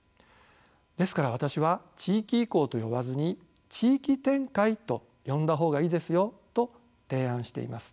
ですから私は地域移行と呼ばずに地域展開と呼んだ方がいいですよと提案しています。